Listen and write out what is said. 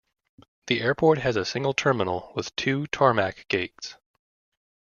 The airport has a single terminal with two tarmac gates.